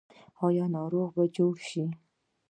آیا ناروغ به جوړ شي؟